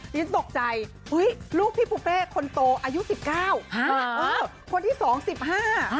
ตกใจลูกพี่ปุ้เปคนโตอายุ๑๙คนที่๑๐กู๑๕